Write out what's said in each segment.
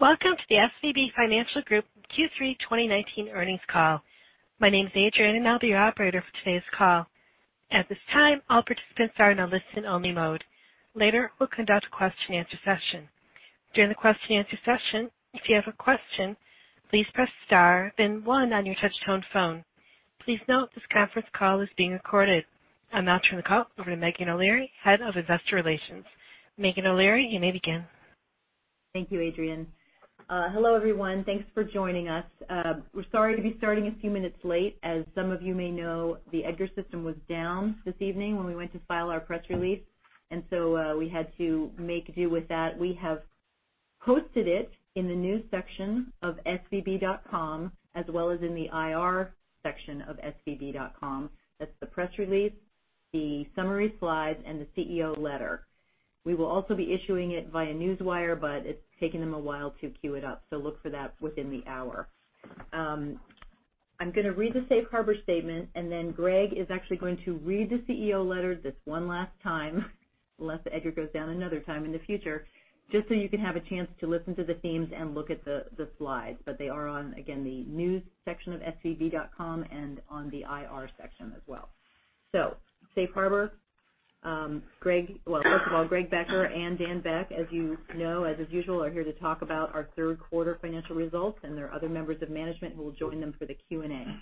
Welcome to the SVB Financial Group Q3 2019 earnings call. My name's Adrianne, and I'll be your operator for today's call. At this time, all participants are in a listen-only mode. Later, we'll conduct a question and answer session. During the question and answer session, if you have a question, please press star then one on your touch-tone phone. Please note this conference call is being recorded. I'll now turn the call over to Meghan O'Leary, Head of Investor Relations. Meghan O'Leary, you may begin. Thank you, Adrianne. Hello, everyone. Thanks for joining us. We're sorry to be starting a few minutes late. As some of you may know, the EDGAR system was down this evening when we went to file our press release, we had to make do with that. We have posted it in the News section of svb.com as well as in the IR section of svb.com. That's the press release, the summary slides, and the CEO letter. We will also be issuing it via Newswire, but it's taking them a while to queue it up, so look for that within the hour. I'm going to read the safe harbor statement, and then Greg is actually going to read the CEO letter this one last time unless EDGAR goes down another time in the future, just so you can have a chance to listen to the themes and look at the slides. They are on, again, the News section of svb.com and on the IR section as well. Safe harbor. First of all, Greg Becker and Daniel Beck, as you know, as is usual, are here to talk about our third quarter financial results, and there are other members of management who will join them for the Q&A.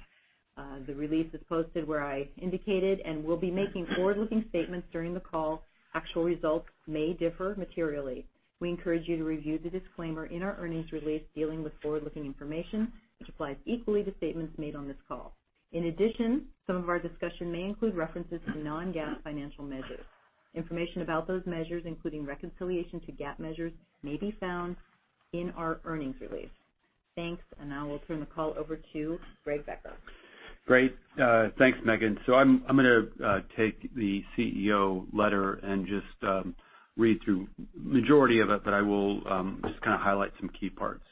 The release is posted where I indicated, and we'll be making forward-looking statements during the call. Actual results may differ materially. We encourage you to review the disclaimer in our earnings release dealing with forward-looking information, which applies equally to statements made on this call. In addition, some of our discussion may include references to non-GAAP financial measures. Information about those measures, including reconciliation to GAAP measures, may be found in our earnings release. Thanks. Now we'll turn the call over to Greg Becker. Great. Thanks, Meghan. I'm going to take the CEO letter and just read through majority of it, but I will just kind of highlight some key parts.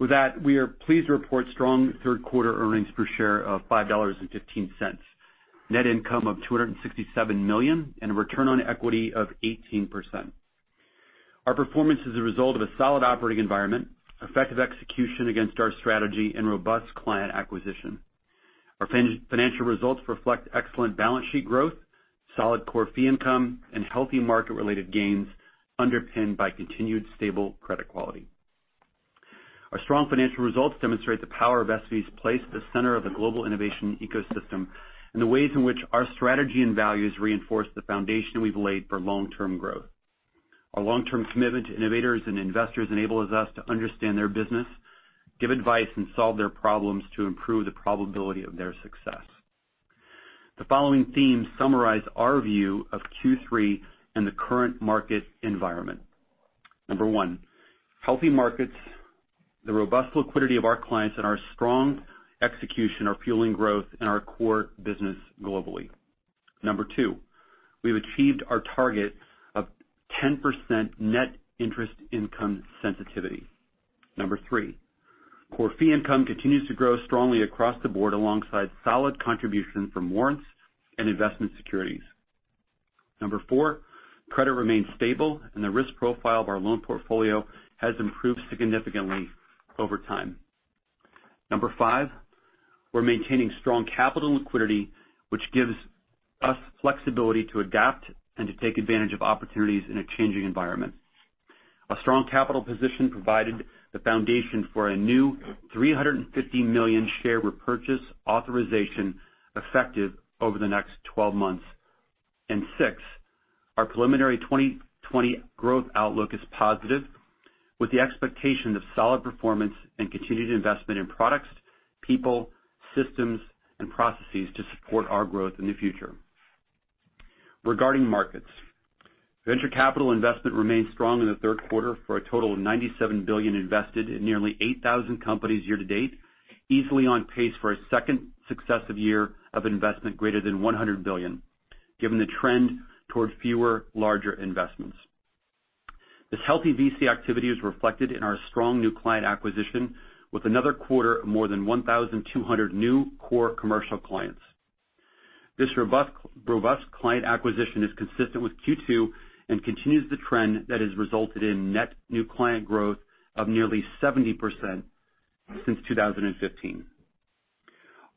With that, we are pleased to report strong third-quarter earnings per share of $5.15, net income of $267 million, and a return on equity of 18%. Our performance is a result of a solid operating environment, effective execution against our strategy, and robust client acquisition. Our financial results reflect excellent balance sheet growth, solid core fee income, and healthy market-related gains underpinned by continued stable credit quality. Our strong financial results demonstrate the power of SVB's place at the center of the global innovation ecosystem and the ways in which our strategy and values reinforce the foundation we've laid for long-term growth. Our long-term commitment to innovators and investors enables us to understand their business, give advice, and solve their problems to improve the probability of their success. The following themes summarize our view of Q3 and the current market environment. Number one, healthy markets. The robust liquidity of our clients and our strong execution are fueling growth in our core business globally. Number two, we've achieved our target of 10% net interest income sensitivity. Number three, core fee income continues to grow strongly across the board alongside solid contribution from warrants and investment securities. Number four, credit remains stable, and the risk profile of our loan portfolio has improved significantly over time. Number five, we're maintaining strong capital liquidity, which gives us flexibility to adapt and to take advantage of opportunities in a changing environment. A strong capital position provided the foundation for a new $350 million share repurchase authorization effective over the next 12 months. Six, our preliminary 2020 growth outlook is positive, with the expectation of solid performance and continued investment in products, people, systems, and processes to support our growth in the future. Regarding markets. Venture capital investment remained strong in the third quarter for a total of $97 billion invested in nearly 8,000 companies year to date, easily on pace for a second successive year of investment greater than $100 billion, given the trend toward fewer, larger investments. This healthy VC activity is reflected in our strong new client acquisition, with another quarter of more than 1,200 new core commercial clients. This robust client acquisition is consistent with Q2 and continues the trend that has resulted in net new client growth of nearly 70% since 2015.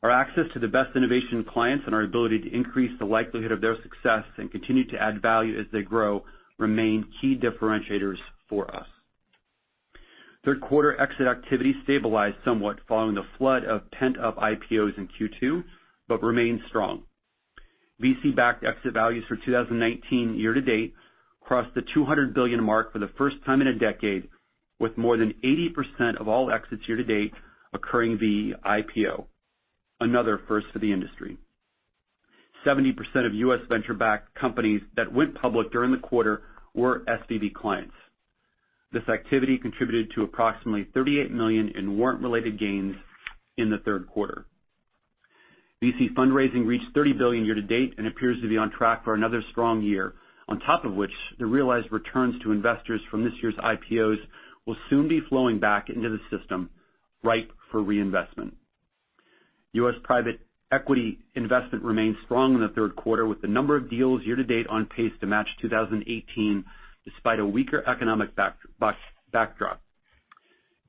Our access to the best innovation clients and our ability to increase the likelihood of their success and continue to add value as they grow remain key differentiators for us. Third quarter exit activity stabilized somewhat following the flood of pent-up IPOs in Q2 but remained strong. VC-backed exit values for 2019 year to date crossed the $200 billion mark for the first time in a decade, with more than 80% of all exits year to date occurring via IPO, another first for the industry. 70% of U.S. venture-backed companies that went public during the quarter were SVB clients. This activity contributed to approximately $38 million in warrant-related gains in the third quarter. VC fundraising reached $30 billion year to date and appears to be on track for another strong year. On top of which, the realized returns to investors from this year's IPOs will soon be flowing back into the system, ripe for reinvestment. U.S. private equity investment remained strong in the third quarter with the number of deals year-to-date on pace to match 2018 despite a weaker economic backdrop.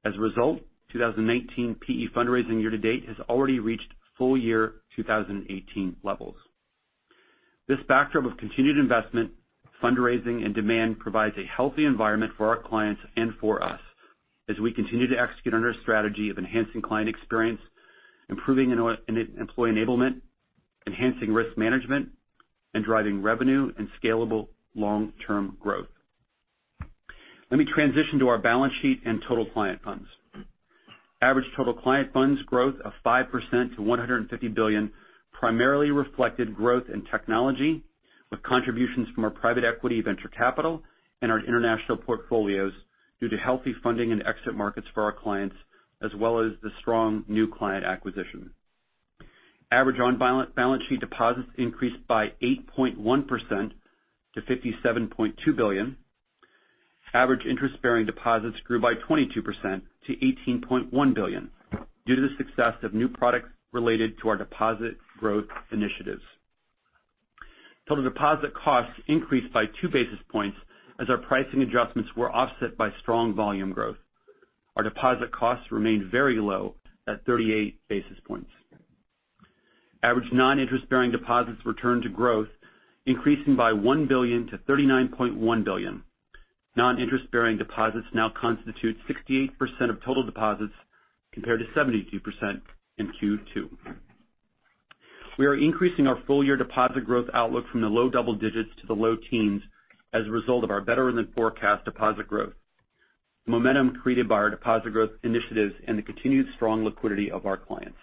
As a result, 2019 PE fundraising year-to-date has already reached full year 2018 levels. This backdrop of continued investment, fundraising, and demand provides a healthy environment for our clients and for us as we continue to execute on our strategy of enhancing client experience, improving employee enablement, enhancing risk management, and driving revenue and scalable long-term growth. Let me transition to our balance sheet and total client funds. Average total client funds growth of 5% to $150 billion primarily reflected growth in technology with contributions from our private equity venture capital and our international portfolios due to healthy funding and exit markets for our clients as well as the strong new client acquisition. Average on balance sheet deposits increased by 8.1% to $57.2 billion. Average interest-bearing deposits grew by 22% to $18.1 billion due to the success of new products related to our deposit growth initiatives. Total deposit costs increased by two basis points as our pricing adjustments were offset by strong volume growth. Our deposit costs remained very low at 38 basis points. Average non-interest-bearing deposits returned to growth, increasing by $1 billion to $39.1 billion. Non-interest-bearing deposits now constitute 68% of total deposits, compared to 72% in Q2. We are increasing our full year deposit growth outlook from the low double digits to the low teens as a result of our better-than-forecast deposit growth. Momentum created by our deposit growth initiatives and the continued strong liquidity of our clients.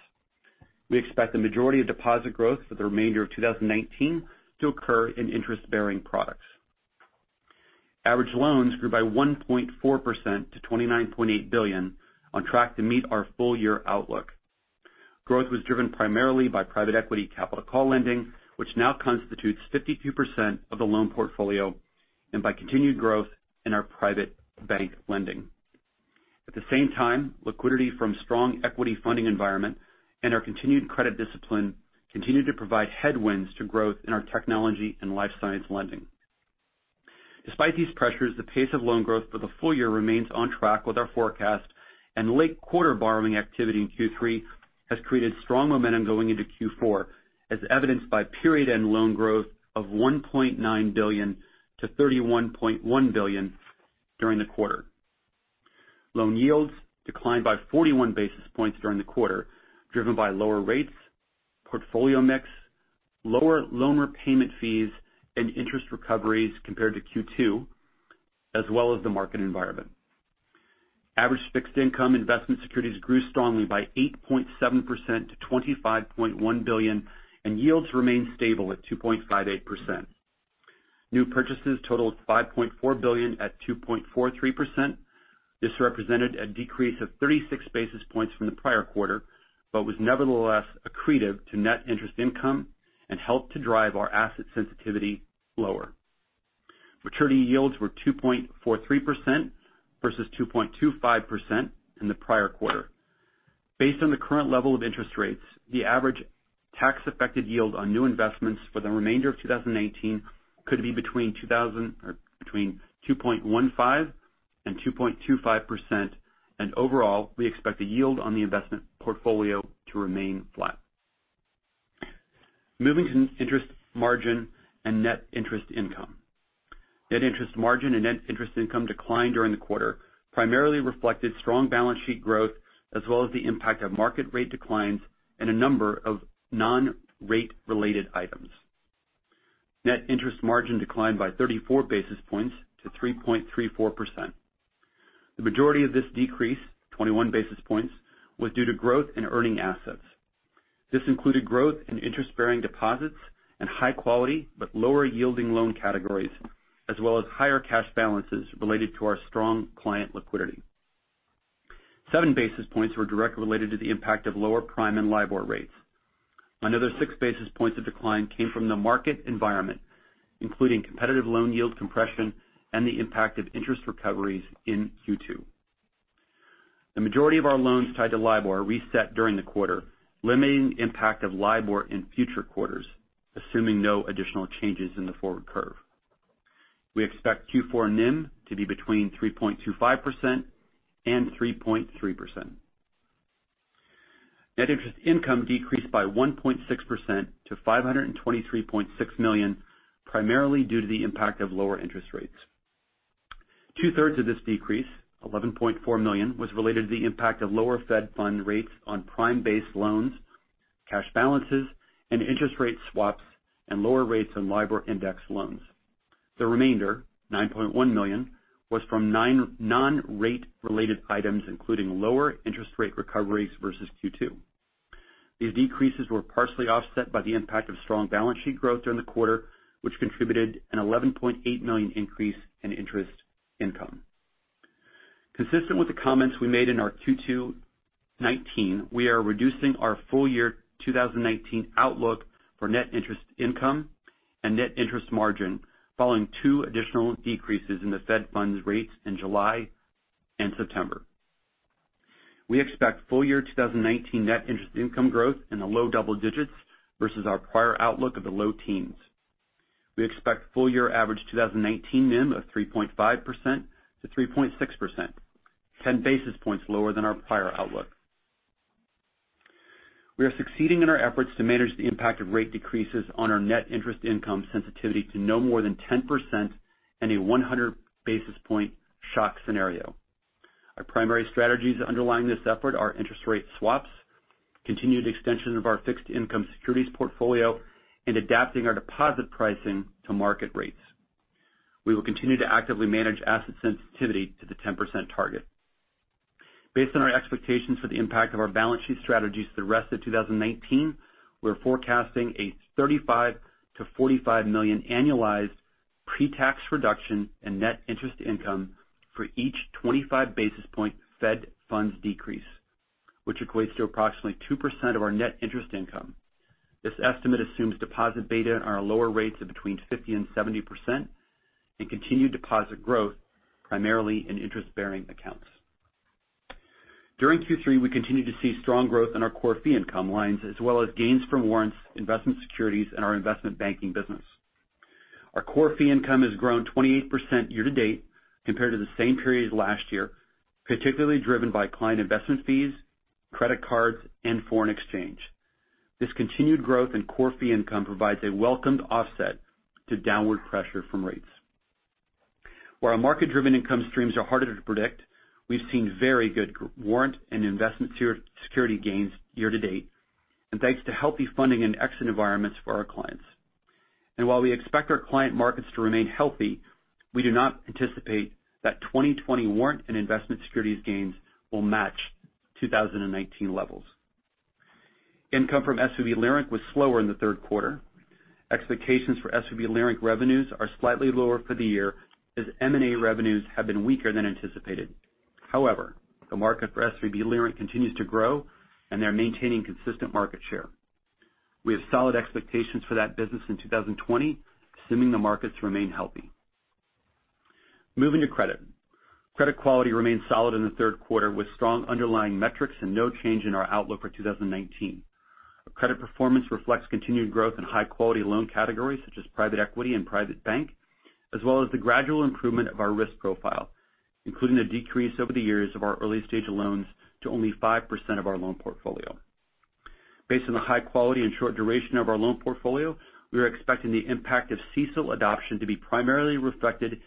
We expect the majority of deposit growth for the remainder of 2019 to occur in interest-bearing products. Average loans grew by 1.4% to $29.8 billion on track to meet our full-year outlook. Growth was driven primarily by private equity capital call lending, which now constitutes 52% of the loan portfolio and by continued growth in our private bank lending. At the same time, liquidity from strong equity funding environment and our continued credit discipline continue to provide headwinds to growth in our technology and life science lending. Despite these pressures, the pace of loan growth for the full year remains on track with our forecast, and late quarter borrowing activity in Q3 has created strong momentum going into Q4, as evidenced by period end loan growth of $1.9 billion to $31.1 billion during the quarter. Loan yields declined by 41 basis points during the quarter, driven by lower rates, portfolio mix, lower loan repayment fees, and interest recoveries compared to Q2, as well as the market environment. Average fixed income investment securities grew strongly by 8.7% to $25.1 billion and yields remained stable at 2.58%. New purchases totaled $5.4 billion at 2.43%. This represented a decrease of 36 basis points from the prior quarter, but was nevertheless accretive to net interest income and helped to drive our asset sensitivity lower. Maturity yields were 2.43% versus 2.25% in the prior quarter. Based on the current level of interest rates, the average tax affected yield on new investments for the remainder of 2019 could be between 2.15 and 2.25%, and overall, we expect the yield on the investment portfolio to remain flat. Moving to interest margin and net interest income. Net interest margin and net interest income decline during the quarter primarily reflected strong balance sheet growth as well as the impact of market rate declines and a number of non-rate related items. Net interest margin declined by 34 basis points to 3.34%. The majority of this decrease, 21 basis points, was due to growth in earning assets. This included growth in interest-bearing deposits and high quality but lower yielding loan categories, as well as higher cash balances related to our strong client liquidity. Seven basis points were directly related to the impact of lower prime and LIBOR rates. Another six basis points of decline came from the market environment, including competitive loan yield compression and the impact of interest recoveries in Q2. The majority of our loans tied to LIBOR reset during the quarter, limiting the impact of LIBOR in future quarters, assuming no additional changes in the forward curve. We expect Q4 NIM to be between 3.25% and 3.3%. Net interest income decreased by 1.6% to $523.6 million, primarily due to the impact of lower interest rates. Two-thirds of this decrease, $11.4 million, was related to the impact of lower Fed Funds rates on prime-based loans, cash balances and interest rate swaps and lower rates on LIBOR-indexed loans. The remainder, $9.1 million, was from non-rate related items including lower interest rate recoveries versus Q2. These decreases were partially offset by the impact of strong balance sheet growth during the quarter, which contributed an $11.8 million increase in interest income. Consistent with the comments we made in our Q2 2019, we are reducing our full year 2019 outlook for net interest income and net interest margin following two additional decreases in the fed funds rates in July and September. We expect full year 2019 net interest income growth in the low double digits versus our prior outlook of the low teens. We expect full year average 2019 NIM of 3.5%-3.6%, 10 basis points lower than our prior outlook. We are succeeding in our efforts to manage the impact of rate decreases on our net interest income sensitivity to no more than 10% and a 100 basis point shock scenario. Our primary strategies underlying this effort are interest rate swaps, continued extension of our fixed income securities portfolio, and adapting our deposit pricing to market rates. We will continue to actively manage asset sensitivity to the 10% target. Based on our expectations for the impact of our balance sheet strategies the rest of 2019, we're forecasting a $35 million-$45 million annualized pre-tax reduction in net interest income for each 25 basis point Fed funds decrease, which equates to approximately 2% of our net interest income. This estimate assumes deposit beta on our lower rates of between 50% and 70%, and continued deposit growth, primarily in interest-bearing accounts. During Q3, we continued to see strong growth in our core fee income lines, as well as gains from warrants, investment securities, and our investment banking business. Our core fee income has grown 28% year to date compared to the same period last year, particularly driven by client investment fees, credit cards, and foreign exchange. This continued growth in core fee income provides a welcomed offset to downward pressure from rates. Where our market-driven income streams are harder to predict, we've seen very good warrant and investment security gains year to date. Thanks to healthy funding and excellent environments for our clients. While we expect our client markets to remain healthy, we do not anticipate that 2020 warrant and investment securities gains will match 2019 levels. Income from SVB Leerink was slower in the third quarter. Expectations for SVB Leerink revenues are slightly lower for the year as M&A revenues have been weaker than anticipated. However, the market for SVB Leerink continues to grow, and they're maintaining consistent market share. We have solid expectations for that business in 2020, assuming the markets remain healthy. Moving to credit. Credit quality remained solid in the third quarter with strong underlying metrics and no change in our outlook for 2019. Our credit performance reflects continued growth in high-quality loan categories such as private equity and private bank, as well as the gradual improvement of our risk profile, including a decrease over the years of our early-stage loans to only 5% of our loan portfolio. Based on the high quality and short duration of our loan portfolio, we are expecting the impact of CECL adoption to be primarily reflected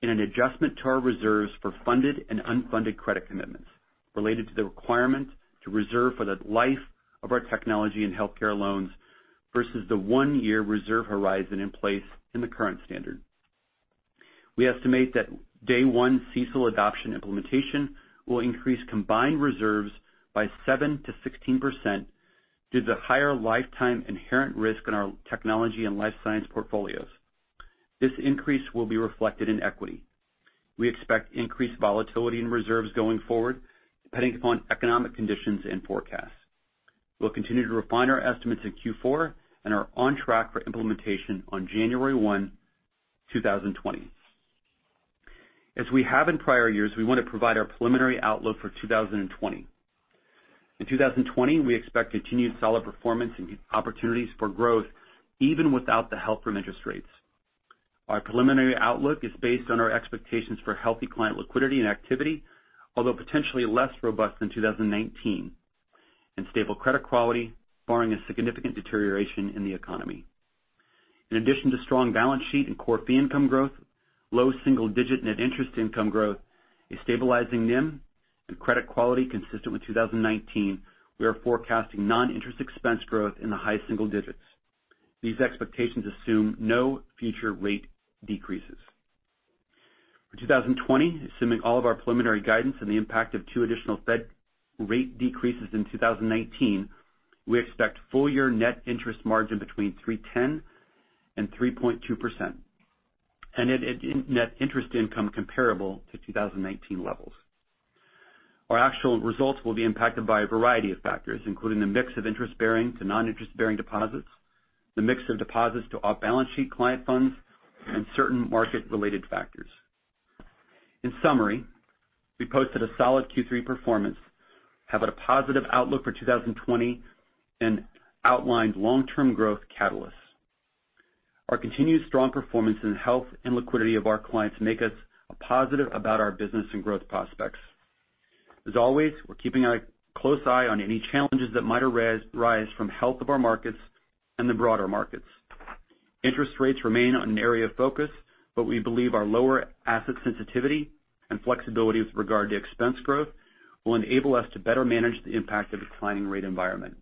in an adjustment to our reserves for funded and unfunded credit commitments related to the requirement to reserve for the life of our technology and healthcare loans versus the one-year reserve horizon in place in the current standard. We estimate that day one CECL adoption implementation will increase combined reserves by 7%-16% due to the higher lifetime inherent risk in our technology and life science portfolios. This increase will be reflected in equity. We expect increased volatility in reserves going forward, depending upon economic conditions and forecasts. We'll continue to refine our estimates in Q4 and are on track for implementation on January 1, 2020. As we have in prior years, we want to provide our preliminary outlook for 2020. In 2020, we expect continued solid performance and opportunities for growth even without the help from interest rates. Our preliminary outlook is based on our expectations for healthy client liquidity and activity, although potentially less robust than 2019, and stable credit quality, barring a significant deterioration in the economy. In addition to strong balance sheet and core fee income growth, low single-digit net interest income growth, a stabilizing NIM, and credit quality consistent with 2019, we are forecasting non-interest expense growth in the high single digits. These expectations assume no future rate decreases. For 2020, assuming all of our preliminary guidance and the impact of two additional Fed rate decreases in 2019, we expect full year net interest margin between 3.10%-3.2%, and net interest income comparable to 2019 levels. Our actual results will be impacted by a variety of factors, including the mix of interest-bearing to non-interest-bearing deposits, the mix of deposits to off-balance sheet client funds, and certain market-related factors. In summary, we posted a solid Q3 performance, have a positive outlook for 2020, and outlined long-term growth catalysts. Our continued strong performance in the health and liquidity of our clients make us positive about our business and growth prospects. As always, we're keeping a close eye on any challenges that might arise from the health of our markets and the broader markets. Interest rates remain an area of focus, but we believe our lower asset sensitivity and flexibility with regard to expense growth will enable us to better manage the impact of a declining rate environment.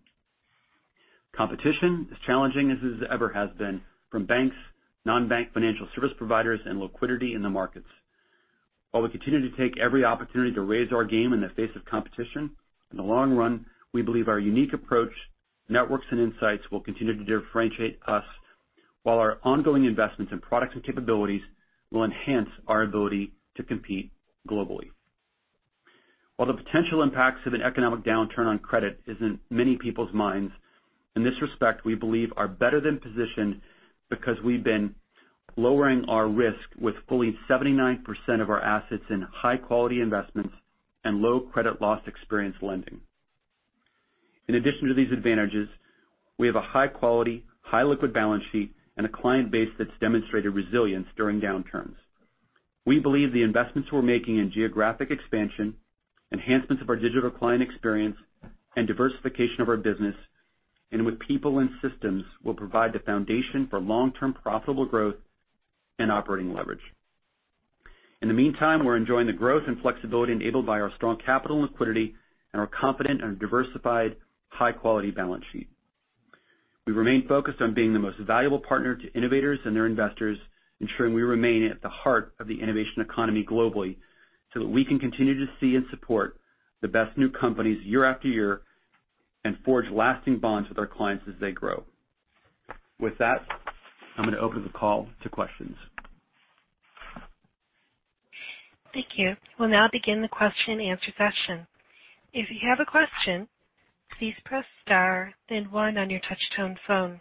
Competition is challenging as it ever has been from banks, non-bank financial service providers, and liquidity in the markets. While we continue to take every opportunity to raise our game in the face of competition, in the long run, we believe our unique approach, networks, and insights will continue to differentiate us while our ongoing investments in products and capabilities will enhance our ability to compete globally. While the potential impacts of an economic downturn on credit is in many people's minds, in this respect, we believe are better than positioned because we've been lowering our risk with fully 79% of our assets in high-quality investments and low credit loss experience lending. In addition to these advantages, we have a high-quality, high liquid balance sheet, and a client base that's demonstrated resilience during downturns. We believe the investments we're making in geographic expansion, enhancements of our digital client experience, and diversification of our business, and with people and systems will provide the foundation for long-term profitable growth and operating leverage. In the meantime, we're enjoying the growth and flexibility enabled by our strong capital and liquidity and our confident and diversified high-quality balance sheet. We remain focused on being the most valuable partner to innovators and their investors, ensuring we remain at the heart of the innovation economy globally so that we can continue to see and support the best new companies year after year and forge lasting bonds with our clients as they grow. With that, I'm going to open the call to questions. Thank you. We'll now begin the question and answer session. If you have a question, please press star then one on your touch-tone phone.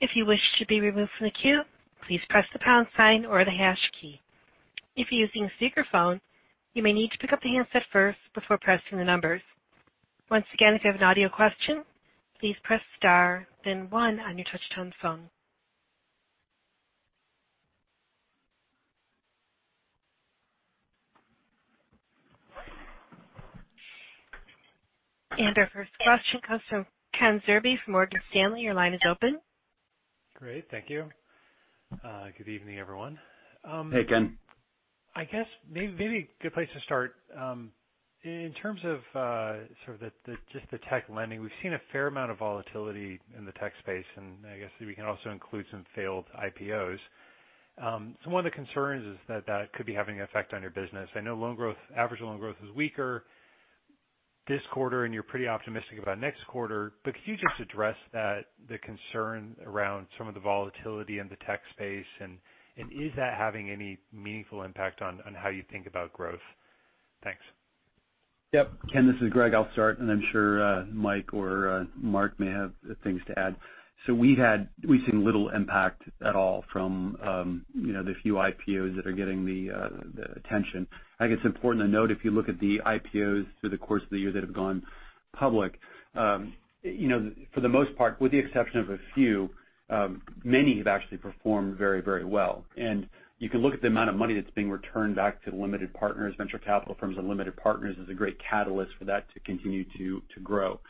If you wish to be removed from the queue, please press the pound sign or the hash key. If you're using a speakerphone, you may need to pick up the handset first before pressing the numbers. Once again, if you have an audio question, please press star then one on your touch-tone phone. Our first question comes from Ken Zerbe from Morgan Stanley. Your line is open. Great. Thank you. Good evening, everyone. Hey, Ken. I guess maybe a good place to start. In terms of sort of just the tech lending, we've seen a fair amount of volatility in the tech space, I guess we can also include some failed IPOs. One of the concerns is that that could be having an effect on your business. I know average loan growth was weaker this quarter, and you're pretty optimistic about next quarter, but could you just address that, the concern around some of the volatility in the tech space, and is that having any meaningful impact on how you think about growth? Thanks. Yep. Ken, this is Greg. I'll start, and I'm sure Mike or Marc may have things to add. We've seen little impact at all from the few IPOs that are getting the attention. I think it's important to note, if you look at the IPOs through the course of the year that have gone public, for the most part, with the exception of a few, many have actually performed very well. You can look at the amount of money that's being returned back to limited partners. Venture capital firms and limited partners is a great catalyst for that to continue to grow.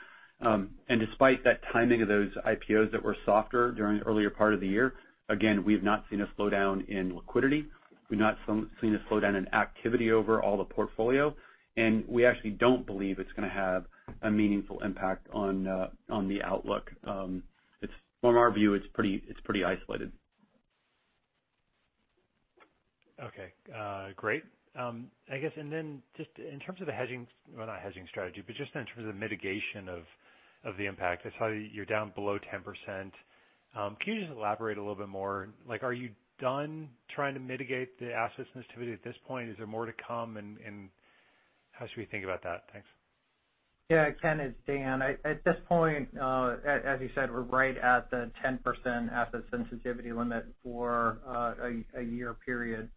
Despite that timing of those IPOs that were softer during the earlier part of the year, again, we've not seen a slowdown in liquidity. We've not seen a slowdown in activity over all the portfolio, and we actually don't believe it's going to have a meaningful impact on the outlook. From our view, it's pretty isolated. Okay. Great. I guess, then just in terms of the hedging, well, not hedging strategy, but just in terms of mitigation of the impact, I saw you're down below 10%. Can you just elaborate a little bit more? Are you done trying to mitigate the asset sensitivity at this point? Is there more to come, and how should we think about that? Thanks. Yeah. Ken, it's Dan. At this point, as you said, we're right at the 10% asset sensitivity limit for a year period.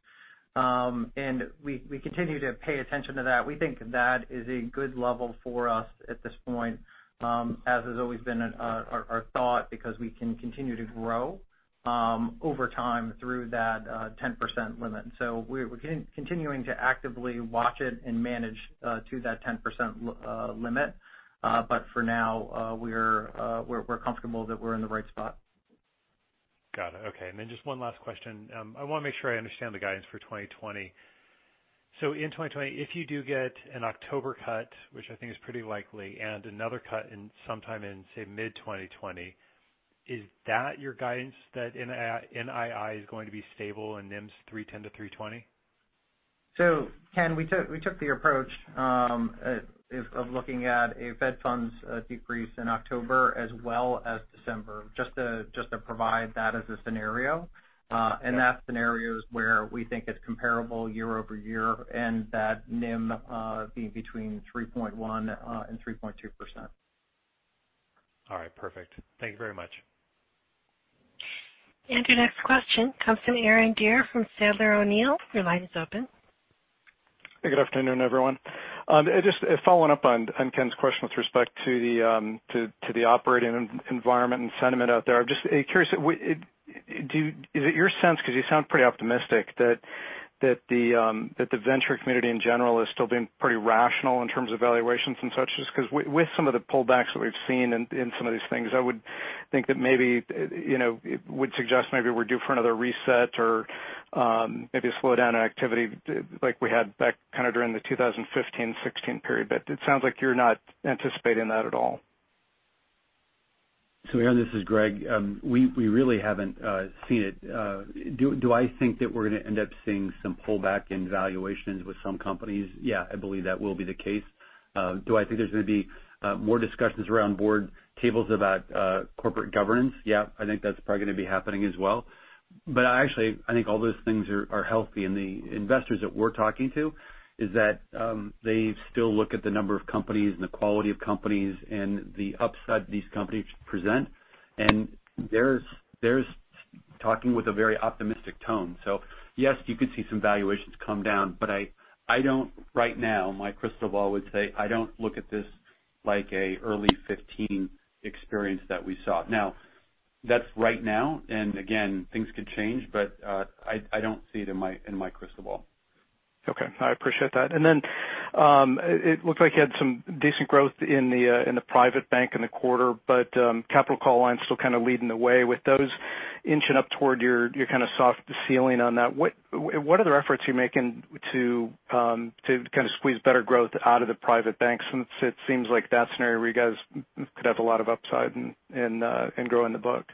We continue to pay attention to that. We think that is a good level for us at this point, as has always been our thought, because we can continue to grow over time through that 10% limit. We're continuing to actively watch it and manage to that 10% limit. For now, we're comfortable that we're in the right spot. Got it. Okay. Just one last question. I want to make sure I understand the guidance for 2020. In 2020, if you do get an October cut, which I think is pretty likely, and another cut sometime in, say, mid-2020, is that your guidance that NII is going to be stable and NIM's 310 to 320? Ken, we took the approach of looking at a Fed funds decrease in October as well as December, just to provide that as a scenario. That scenario is where we think it's comparable year-over-year and that NIM being between 3.1% and 3.2%. All right, perfect. Thank you very much. Your next question comes from Aaron Gere from Sandler O'Neill. Your line is open. Good afternoon, everyone. Just following up on Ken's question with respect to the operating environment and sentiment out there. I'm just curious, is it your sense, because you sound pretty optimistic that the venture community in general is still being pretty rational in terms of valuations and such, just because with some of the pullbacks that we've seen in some of these things, I would think that maybe it would suggest maybe we're due for another reset or maybe a slowdown in activity like we had back kind of during the 2015-2016 period. It sounds like you're not anticipating that at all. Aaron, this is Greg. We really haven't seen it. Do I think that we're going to end up seeing some pullback in valuations with some companies? Yeah, I believe that will be the case. Do I think there's going to be more discussions around board tables about corporate governance? Yeah, I think that's probably going to be happening as well. Actually, I think all those things are healthy. The investors that we're talking to, is that they still look at the number of companies and the quality of companies and the upside these companies present. They're talking with a very optimistic tone. Yes, you could see some valuations come down, but I don't right now, my crystal ball would say, I don't look at this like a early 2015 experience that we saw. That's right now, and again, things could change, but I don't see it in my crystal ball. Okay. I appreciate that. It looks like you had some decent growth in the private bank in the quarter, but capital call line's still kind of leading the way with those inching up toward your kind of soft ceiling on that. What other efforts are you making to kind of squeeze better growth out of the private banks since it seems like that's an area where you guys could have a lot of upside in growing the book?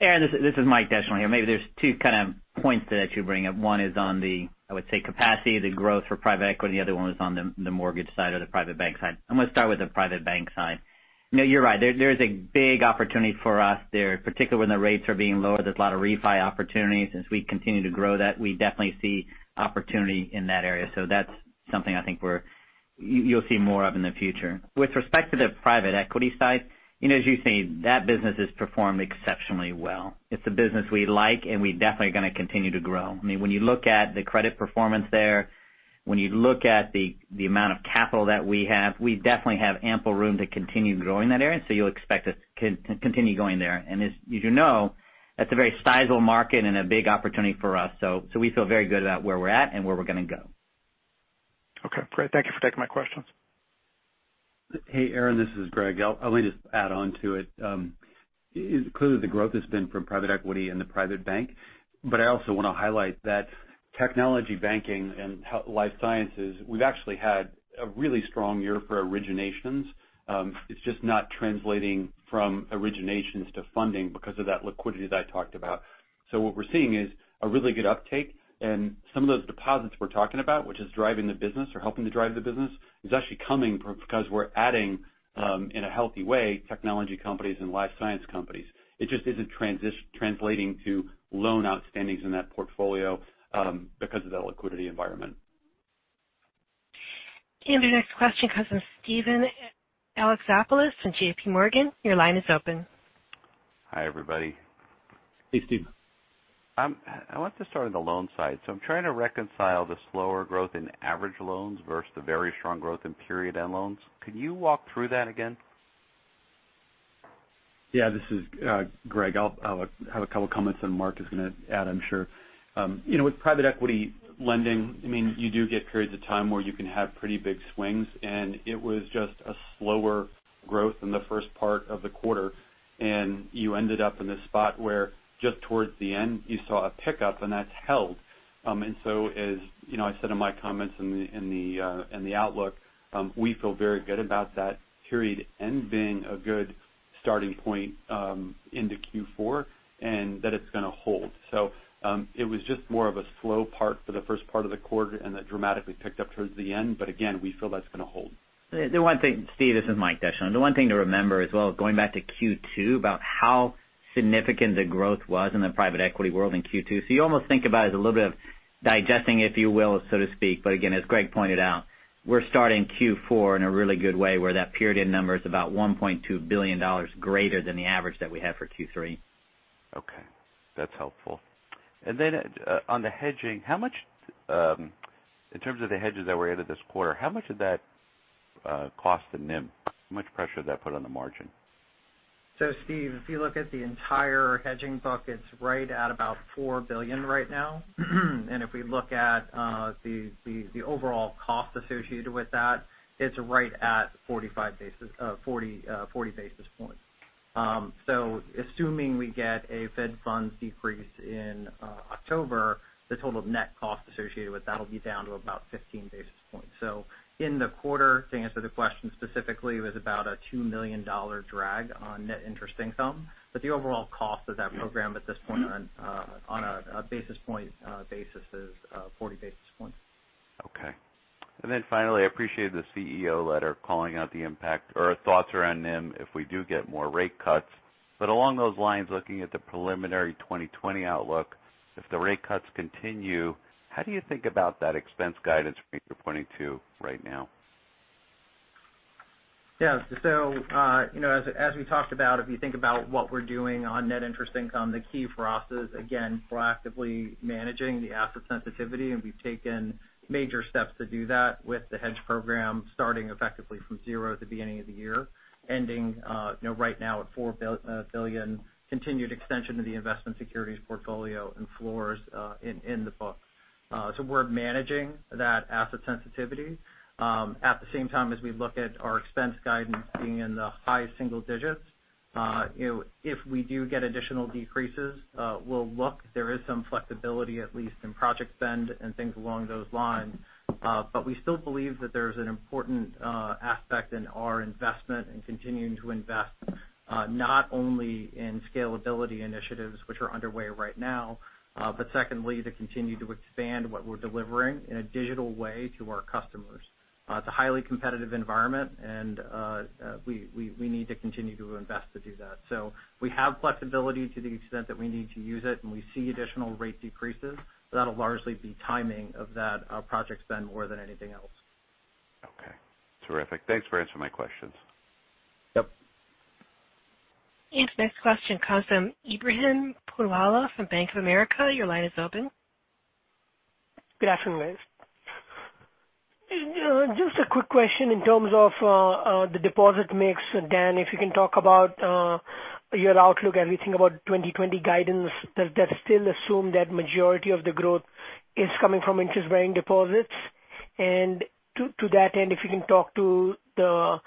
Aaron, this is Mike Descheneaux here. Maybe there's two kind of points that you bring up. One is on the, I would say, capacity, the growth for Private Equity. The other one was on the mortgage side or the private bank side. I'm going to start with the private bank side. You're right. There is a big opportunity for us there, particularly when the rates are being lowered. There's a lot of refi opportunities. We continue to grow that, we definitely see opportunity in that area. That's something I think you'll see more of in the future. With respect to the Private Equity side, as you've seen, that business has performed exceptionally well. It's a business we like, and we definitely are going to continue to grow. When you look at the credit performance there, when you look at the amount of capital that we have, we definitely have ample room to continue growing that area. You'll expect us to continue going there. As you know, that's a very sizable market and a big opportunity for us. We feel very good about where we're at and where we're going to go. Okay, great. Thank you for taking my questions. Hey, Aaron, this is Greg. I'll maybe just add on to it. Clearly the growth has been from private equity and the private bank, but I also want to highlight that technology banking and life sciences, we've actually had a really strong year for originations. It's just not translating from originations to funding because of that liquidity that I talked about. What we're seeing is a really good uptake, and some of those deposits we're talking about, which is driving the business or helping to drive the business, is actually coming because we're adding, in a healthy way, technology companies and life science companies. It just isn't translating to loan outstandings in that portfolio because of the liquidity environment. The next question comes from Steven Alexopoulos from J.P. Morgan. Your line is open. Hi, everybody. Hey, Steve. I want to start on the loan side. I'm trying to reconcile the slower growth in average loans versus the very strong growth in period end loans. Could you walk through that again? Yeah. This is Greg. I'll have a couple of comments, then Marc is going to add, I'm sure. With private equity lending, you do get periods of time where you can have pretty big swings, and it was just a slower growth in the first part of the quarter. You ended up in this spot where just towards the end you saw a pickup, and that's held. As I said in my comments in the outlook, we feel very good about that period end being a good starting point into Q4, and that it's going to hold. It was just more of a slow part for the first part of the quarter, and that dramatically picked up towards the end. Again, we feel that's going to hold. Steven, this is Mike Descheneaux. The one thing to remember as well, going back to Q2, about how significant the growth was in the private equity world in Q2. You almost think about it as a little bit of digesting, if you will, so to speak. Again, as Greg pointed out, we're starting Q4 in a really good way where that period end number is about $1.2 billion greater than the average that we had for Q3. Okay. That's helpful. On the hedging, in terms of the hedges that were added this quarter, how much did that cost the NIM? How much pressure did that put on the margin? Steve, if you look at the entire hedging bucket, it's right at about $4 billion right now. If we look at the overall cost associated with that, it's right at 40 basis points. Assuming we get a Fed funds decrease in October, the total net cost associated with that will be down to about 15 basis points. In the quarter, to answer the question specifically, it was about a $2 million drag on net interest income. The overall cost of that program at this point on a basis point basis is 40 basis points. Okay. Finally, I appreciate the CEO letter calling out the impact or thoughts around NIM if we do get more rate cuts. Along those lines, looking at the preliminary 2020 outlook, if the rate cuts continue, how do you think about that expense guidance that you're pointing to right now? Yeah. As we talked about, if you think about what we're doing on net interest income, the key for us is, again, proactively managing the asset sensitivity, and we've taken major steps to do that with the hedge program starting effectively from zero at the beginning of the year, ending right now at $4 billion, continued extension of the investment securities portfolio and floors in the book. We're managing that asset sensitivity. At the same time as we look at our expense guidance being in the high single digits. If we do get additional decreases, we'll look. There is some flexibility, at least in project spend and things along those lines. We still believe that there's an important aspect in our investment and continuing to invest not only in scalability initiatives, which are underway right now, but secondly, to continue to expand what we're delivering in a digital way to our customers. It's a highly competitive environment, and we need to continue to invest to do that. We have flexibility to the extent that we need to use it, and we see additional rate decreases. That'll largely be timing of that project spend more than anything else. Okay. Terrific. Thanks for answering my questions. Yep. Next question comes from Ebrahim Poonawala from Bank of America. Your line is open. Good afternoon, guys. Just a quick question in terms of the deposit mix. Dan, if you can talk about your outlook as we think about 2020 guidance. Does that still assume that majority of the growth is coming from interest-bearing deposits? To that end, if you can talk to the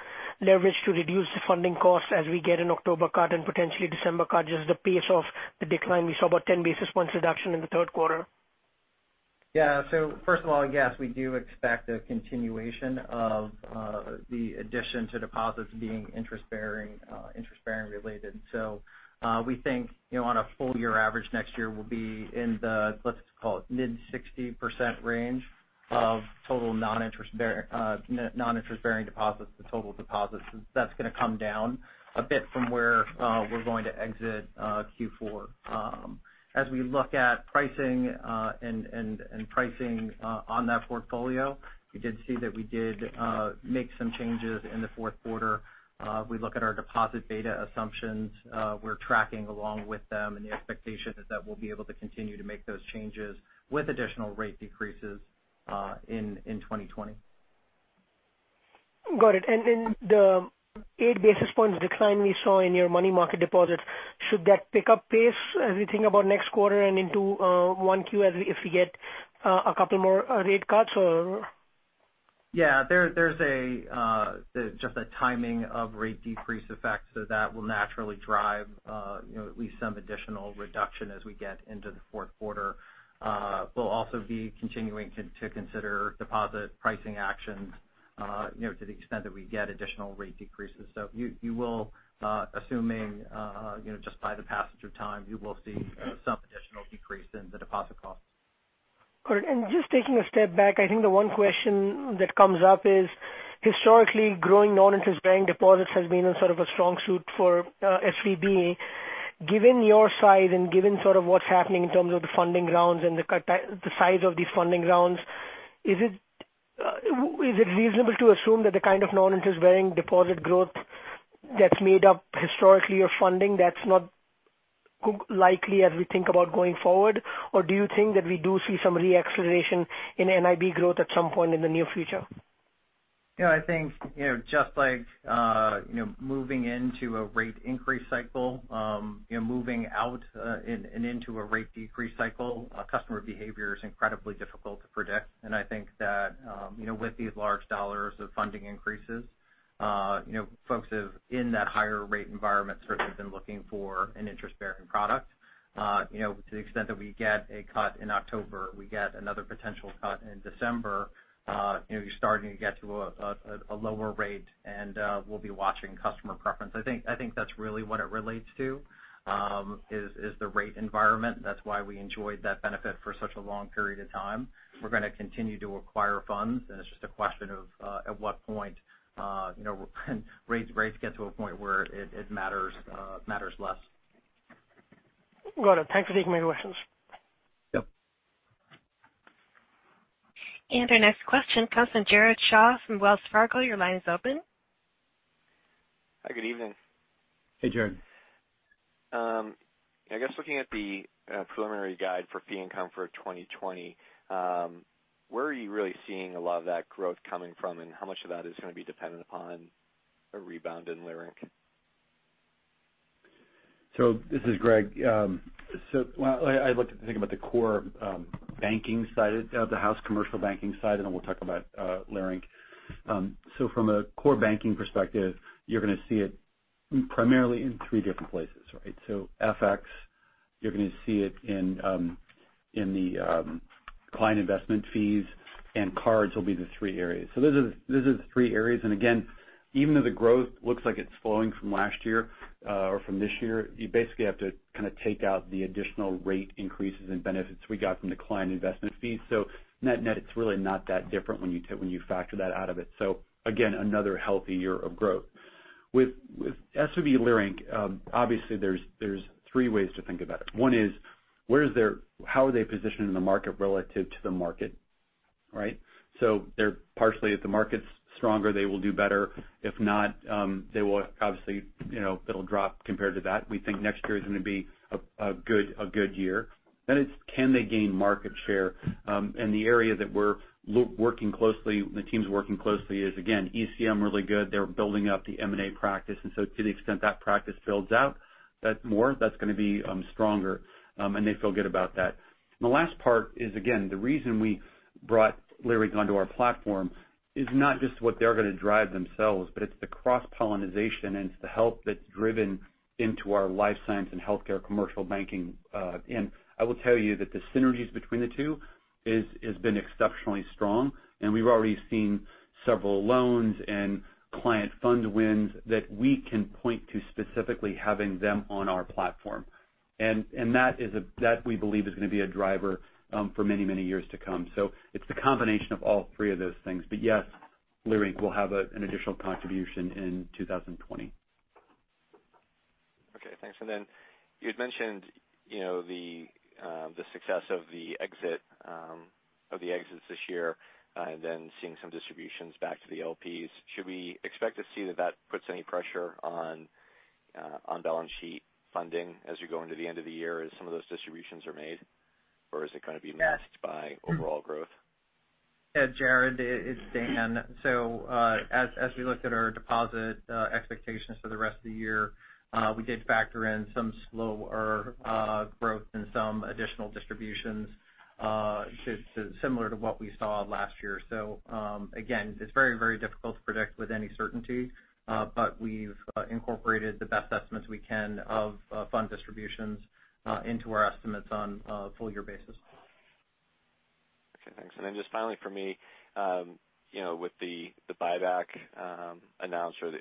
leverage to reduce the funding costs as we get an October cut and potentially December cut, just the pace of the decline we saw about 10 basis points reduction in the third quarter. Yeah. First of all, yes, we do expect a continuation of the addition to deposits being interest-bearing related. We think on a full-year average next year, we'll be in the, let's call it, mid 60% range of total non-interest-bearing deposits to total deposits. That's going to come down a bit from where we're going to exit Q4. As we look at pricing and pricing on that portfolio, you did see that we did make some changes in the fourth quarter. If we look at our deposit beta assumptions, we're tracking along with them and the expectation is that we'll be able to continue to make those changes with additional rate decreases in 2020. Got it. The eight basis points decline we saw in your money market deposits, should that pick up pace as we think about next quarter and into 1Q if we get a couple more rate cuts or? Yeah, there's just a timing of rate decrease effect, so that will naturally drive at least some additional reduction as we get into the fourth quarter. We'll also be continuing to consider deposit pricing actions to the extent that we get additional rate decreases. You will, assuming just by the passage of time, you will see some additional decrease in the deposit costs. Correct. Just taking a step back, I think the one question that comes up is, historically growing non-interest-bearing deposits has been a sort of a strong suit for SVB. Given your size and given sort of what's happening in terms of the funding rounds and the size of these funding rounds, is it reasonable to assume that the kind of non-interest-bearing deposit growth that's made up historically of funding that's not likely as we think about going forward? Do you think that we do see some re-acceleration in NIB growth at some point in the near future? Yeah, I think just like moving into a rate increase cycle, moving out and into a rate decrease cycle, customer behavior is incredibly difficult to predict. I think that with these large dollars of funding increases, folks have in that higher rate environment certainly been looking for an interest-bearing product. To the extent that we get a cut in October, we get another potential cut in December, you're starting to get to a lower rate and we'll be watching customer preference. I think that's really what it relates to, is the rate environment. That's why we enjoyed that benefit for such a long period of time. We're going to continue to acquire funds, and it's just a question of at what point rates get to a point where it matters less. Got it. Thanks for taking my questions. Yep. Our next question comes from Jared Shaw from Wells Fargo Securities. Your line is open. Hi, good evening. Hey, Jared. I guess looking at the preliminary guide for fee income for 2020, where are you really seeing a lot of that growth coming from, and how much of that is going to be dependent upon a rebound in Leerink? This is Greg. I'd like to think about the core banking side of the house, commercial banking side, and then we'll talk about Leerink. From a core banking perspective, you're going to see it primarily in three different places, right? FX, you're going to see it in the client investment fees, and cards will be the three areas. Those are the three areas. Again, even though the growth looks like it's flowing from last year or from this year, you basically have to kind of take out the additional rate increases and benefits we got from the client investment fees. Net-net, it's really not that different when you factor that out of it. Again, another healthy year of growth. With SVB Leerink, obviously there's three ways to think about it. One is how are they positioned in the market relative to the market, right? They're partially if the market's stronger, they will do better. If not, they will obviously, it'll drop compared to that. We think next year is going to be a good year. It's can they gain market share? The area that we're working closely, the team's working closely is, again, ECM really good. They're building up the M&A practice. To the extent that practice builds out more, that's going to be stronger, and they feel good about that. The last part is, again, the reason we brought Leerink onto our platform is not just what they're going to drive themselves, but it's the cross-pollination and it's the help that's driven into our life science and healthcare commercial banking. I will tell you that the synergies between the two has been exceptionally strong, and we've already seen several loans and client fund wins that we can point to specifically having them on our platform. That we believe is going to be a driver for many, many years to come. It's the combination of all three of those things. Yes, Leerink will have an additional contribution in 2020. Okay, thanks. You had mentioned the success of the exits this year, and then seeing some distributions back to the LPs. Should we expect to see that puts any pressure on balance sheet funding as you go into the end of the year as some of those distributions are made? Is it going to be masked by overall growth? Yeah, Jared, it's Dan. As we looked at our deposit expectations for the rest of the year, we did factor in some slower growth and some additional distributions similar to what we saw last year. Again, it's very difficult to predict with any certainty, but we've incorporated the best estimates we can of fund distributions into our estimates on a full year basis. Okay, thanks. Just finally for me, with the buyback announced or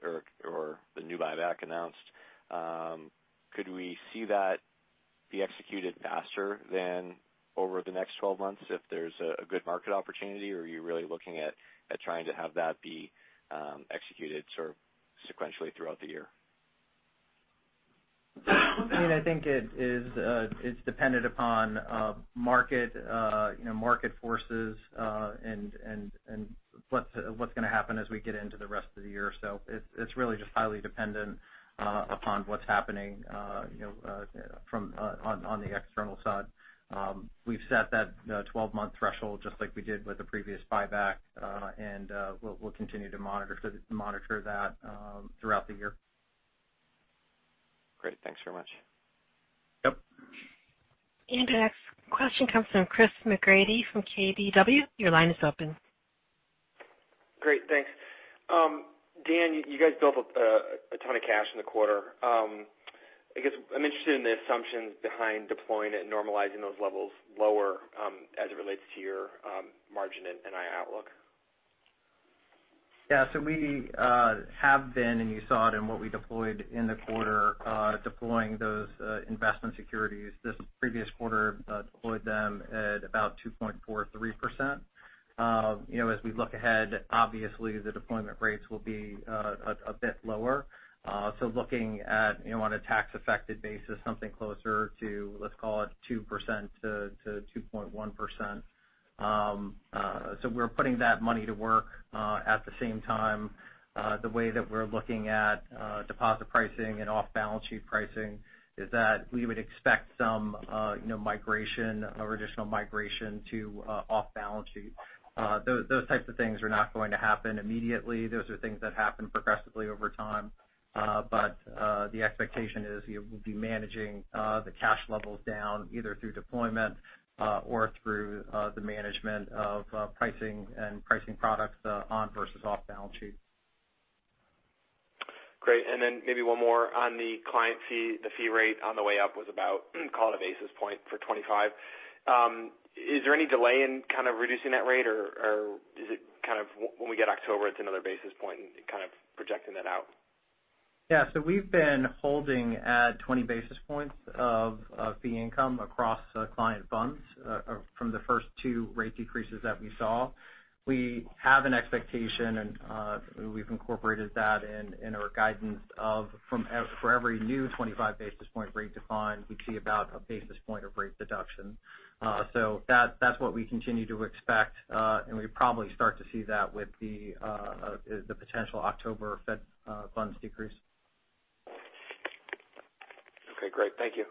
the new buyback announced, could we see that be executed faster than over the next 12 months if there's a good market opportunity? Are you really looking at trying to have that be executed sort of sequentially throughout the year? I think it's dependent upon market forces and what's going to happen as we get into the rest of the year. It's really just highly dependent upon what's happening on the external side. We've set that 12-month threshold just like we did with the previous buyback. We'll continue to monitor that throughout the year. Great. Thanks very much. Yep. Our next question comes from Chris McGratty from KBW. Your line is open. Great. Thanks. Dan, you guys built up a ton of cash in the quarter. I guess I'm interested in the assumptions behind deploying it and normalizing those levels lower as it relates to your margin and NII outlook. Yeah. We have been, and you saw it in what we deployed in the quarter, deploying those investment securities. This previous quarter deployed them at about 2.43%. As we look ahead, obviously the deployment rates will be a bit lower. Looking at on a tax affected basis, something closer to, let's call it 2%-2.1%. We're putting that money to work. At the same time the way that we're looking at deposit pricing and off balance sheet pricing is that we would expect some additional migration to off balance sheet. Those types of things are not going to happen immediately. Those are things that happen progressively over time. The expectation is we'll be managing the cash levels down either through deployment or through the management of pricing and pricing products on versus off balance sheet. Then maybe one more on the client fee. The fee rate on the way up was about, call it a basis point for 25. Is there any delay in kind of reducing that rate, or is it kind of when we get October, it's another basis point and kind of projecting that out? Yeah. We've been holding at 20 basis points of fee income across client funds from the first two rate decreases that we saw. We have an expectation and we've incorporated that in our guidance of for every new 25 basis point rate decline, we see about a basis point of rate deduction. That's what we continue to expect. We probably start to see that with the potential October Fed funds decrease. Okay, great. Thank you.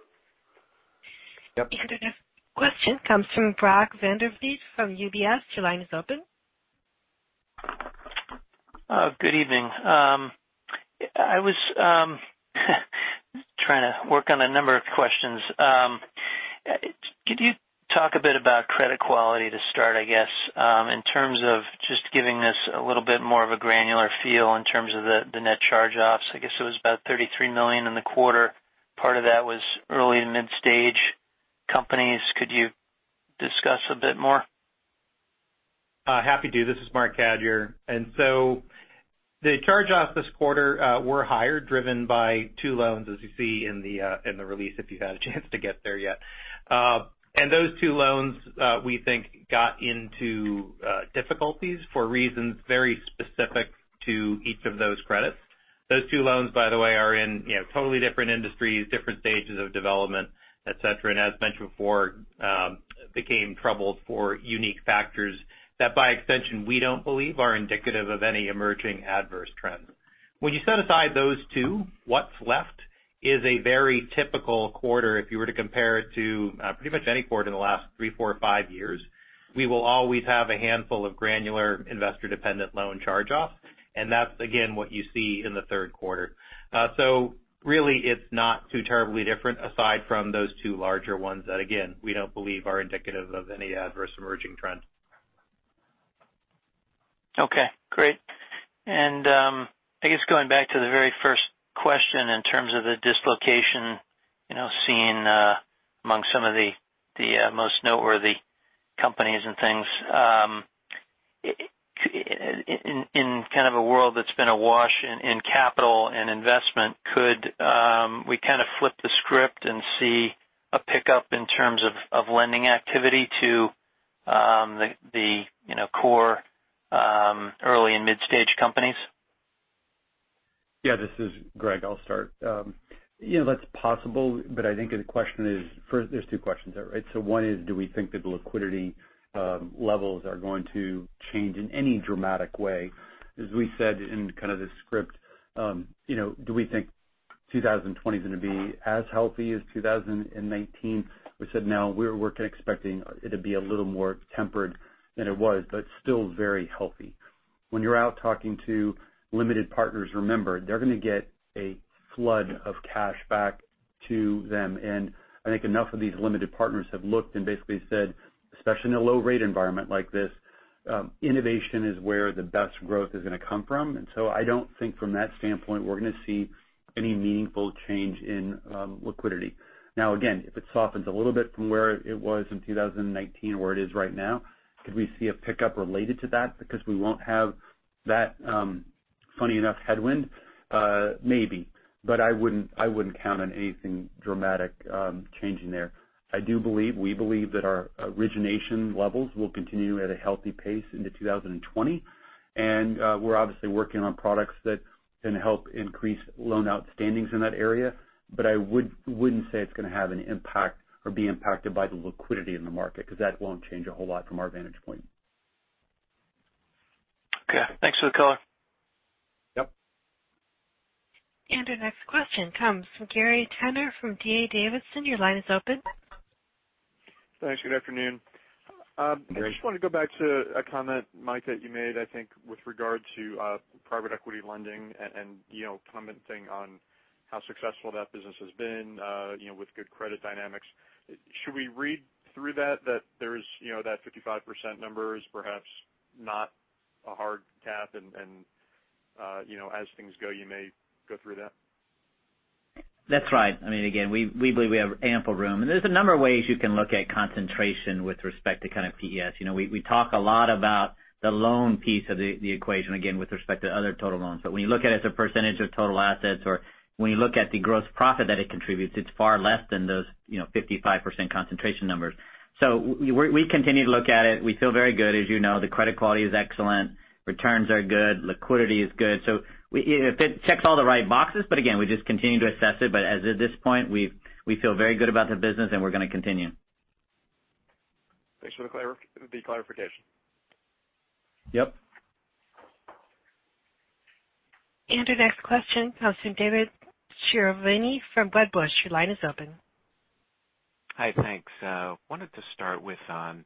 Yep. The next question comes from Brock Vandervliet from UBS. Your line is open. Good evening. I was trying to work on a number of questions. Could you talk a bit about credit quality to start I guess, in terms of just giving this a little bit more of a granular feel in terms of the net charge-offs? I guess it was about $33 million in the quarter. Part of that was early and mid-stage companies. Could you discuss a bit more? Happy to. This is Marc Cadieux. The charge-offs this quarter were higher driven by two loans as you see in the release if you've had a chance to get there yet. Those two loans we think got into difficulties for reasons very specific to each of those credits. Those two loans by the way are in totally different industries, different stages of development, et cetera, and as mentioned before became troubled for unique factors that by extension we don't believe are indicative of any emerging adverse trends. When you set aside those two, what's left is a very typical quarter if you were to compare it to pretty much any quarter in the last three, four or five years. We will always have a handful of granular investor dependent loan charge-offs. That's again what you see in the third quarter. Really it's not too terribly different aside from those two larger ones that again we don't believe are indicative of any adverse emerging trend. Okay, great. I guess going back to the very first question in terms of the dislocation seen amongst some of the most noteworthy companies and things. In kind of a world that's been awash in capital and investment could we kind of flip the script and see a pickup in terms of lending activity to? the core early and mid-stage companies? Yeah, this is Greg. I'll start. That's possible, but I think the question is. There's two questions there, right? One is, do we think that the liquidity levels are going to change in any dramatic way? As we said in kind of the script, do we think 2020's going to be as healthy as 2019? We said no. We're expecting it to be a little more tempered than it was, but still very healthy. When you're out talking to limited partners, remember, they're going to get a flood of cash back to them. I think enough of these limited partners have looked and basically said, especially in a low rate environment like this, innovation is where the best growth is going to come from. I don't think from that standpoint, we're going to see any meaningful change in liquidity. Again, if it softens a little bit from where it was in 2019 or where it is right now, could we see a pickup related to that because we won't have that funny enough headwind? I wouldn't count on anything dramatic changing there. I do believe, we believe, that our origination levels will continue at a healthy pace into 2020. We're obviously working on products that can help increase loan outstandings in that area. I wouldn't say it's going to have an impact or be impacted by the liquidity in the market because that won't change a whole lot from our vantage point. Okay. Thanks for the color. Yep. Our next question comes from Gary Turner from D.A. Davidson. Your line is open. Thanks. Good afternoon. Gary. I just want to go back to a comment, Mike, that you made, I think with regard to Private Equity lending and commenting on how successful that business has been with good credit dynamics. Should we read through that 55% number is perhaps not a hard cap and as things go, you may go through that? That's right. Again, we believe we have ample room. There's a number of ways you can look at concentration with respect to kind of PE. We talk a lot about the loan piece of the equation, again, with respect to other total loans. When you look at it as a percentage of total assets, or when you look at the gross profit that it contributes, it's far less than those 55% concentration numbers. We continue to look at it. We feel very good. As you know, the credit quality is excellent, returns are good, liquidity is good. It checks all the right boxes, but again, we just continue to assess it. As of this point, we feel very good about the business, and we're going to continue. Thanks for the clarification. Yep. Our next question comes from David Chiaverini from Wedbush. Your line is open. Hi, thanks. Wanted to start with on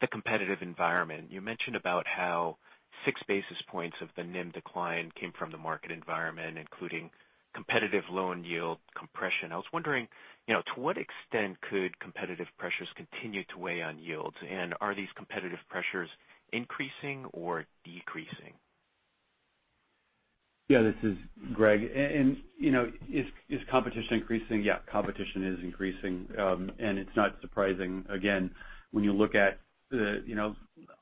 the competitive environment. You mentioned about how six basis points of the NIM decline came from the market environment, including competitive loan yield compression. I was wondering, to what extent could competitive pressures continue to weigh on yields? Are these competitive pressures increasing or decreasing? Yeah, this is Greg. Is competition increasing? Yeah, competition is increasing. It's not surprising. Again, when you look at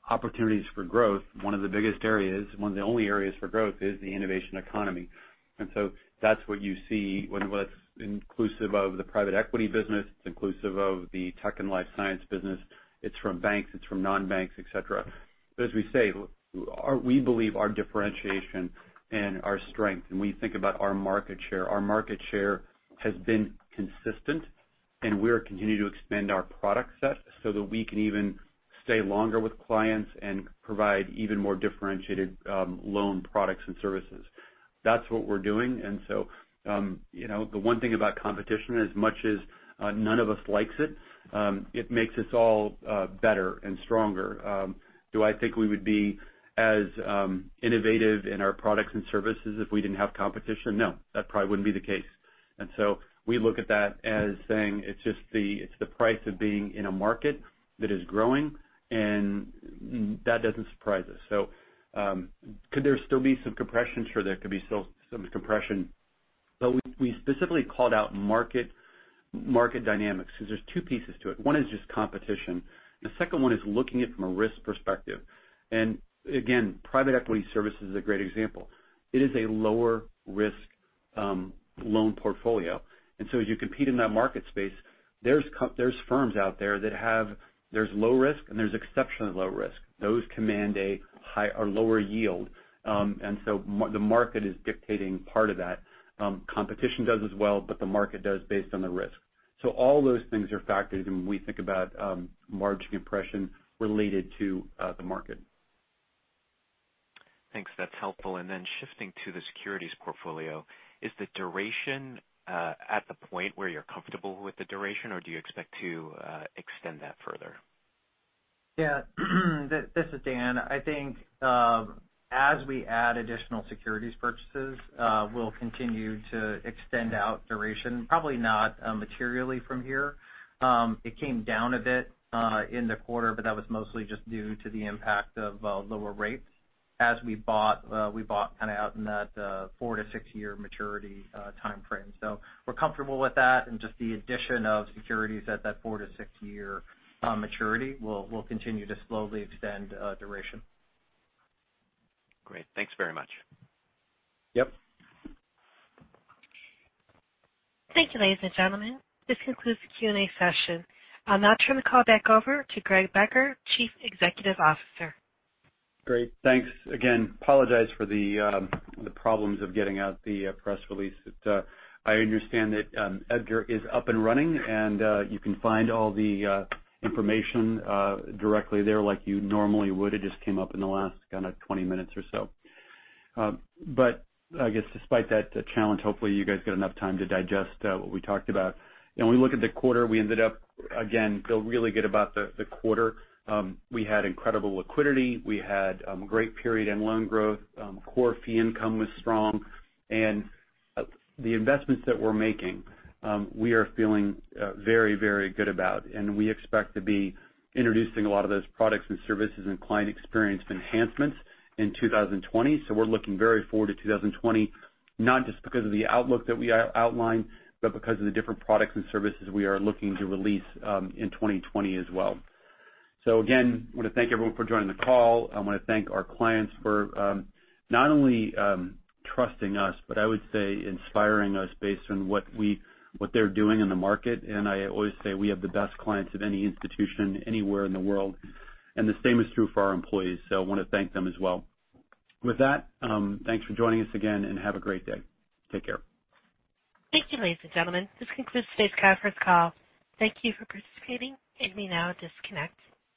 opportunities for growth, one of the biggest areas, one of the only areas for growth is the innovation economy. That's what you see when that's inclusive of the private equity business. It's inclusive of the tech and life science business. It's from banks, it's from non-banks, et cetera. As we say, we believe our differentiation and our strength, and when you think about our market share, our market share has been consistent, and we're continuing to expand our product set so that we can even stay longer with clients and provide even more differentiated loan products and services. That's what we're doing. The one thing about competition, as much as none of us likes it makes us all better and stronger. Do I think we would be as innovative in our products and services if we didn't have competition? No, that probably wouldn't be the case. We look at that as saying it's the price of being in a market that is growing, and that doesn't surprise us. Could there still be some compression? Sure there could be still some compression. We specifically called out market dynamics because there's two pieces to it. One is just competition, and the second one is looking at it from a risk perspective. Again, private equity services is a great example. It is a lower risk loan portfolio. As you compete in that market space, there's firms out there's low risk and there's exceptionally low risk. Those command a lower yield. The market is dictating part of that. Competition does as well, but the market does based on the risk. All those things are factors when we think about margin compression related to the market. Thanks. That's helpful. Shifting to the securities portfolio, is the duration at the point where you're comfortable with the duration or do you expect to extend that further? Yeah. This is Dan. I think as we add additional securities purchases, we'll continue to extend out duration, probably not materially from here. It came down a bit in the quarter, but that was mostly just due to the impact of lower rates as we bought kind of out in that four to six-year maturity timeframe. So we're comfortable with that and just the addition of securities at that four to six-year maturity will continue to slowly extend duration. Great. Thanks very much. Yep. Thank you, ladies and gentlemen. This concludes the Q&A session. I'll now turn the call back over to Greg Becker, Chief Executive Officer. Great. Thanks again. Apologize for the problems of getting out the press release. I understand that EDGAR is up and running, and you can find all the information directly there like you normally would. It just came up in the last kind of 20 minutes or so. I guess despite that challenge, hopefully you guys get enough time to digest what we talked about. When we look at the quarter, we ended up again, feel really good about the quarter. We had incredible liquidity. We had great period and loan growth. Core fee income was strong. The investments that we're making, we are feeling very, very good about. We expect to be introducing a lot of those products and services and client experience enhancements in 2020. We're looking very forward to 2020, not just because of the outlook that we outlined, but because of the different products and services we are looking to release in 2020 as well. Again, I want to thank everyone for joining the call. I want to thank our clients for not only trusting us, but I would say inspiring us based on what they're doing in the market. I always say we have the best clients of any institution anywhere in the world, and the same is true for our employees. I want to thank them as well. With that, thanks for joining us again, and have a great day. Take care. Thank you, ladies and gentlemen. This concludes today's conference call. Thank you for participating. You may now disconnect.